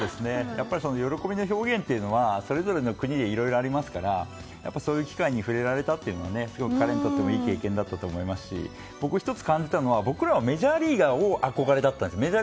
喜びの表現は、それぞれの国でいろいろありますからそういう機会に触れられたというのは彼にとってもいい経験になったと思いますし僕、１つ感じたのは僕らはメジャーリーガーが憧れだった。